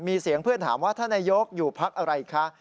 มีเสียงเพื่อนถามว่าท่านนายกอยู่พักอะไรคะ